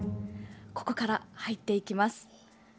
ここから入っていきます。